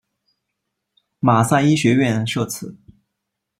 马赛医学院设此。